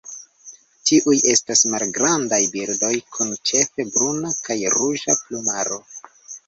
Tiuj estas malgrandaj birdoj kun ĉefe bruna kaj ruĝa plumaro.